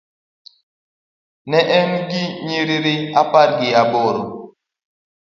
Ne en gi nyiriri apar gi aboro.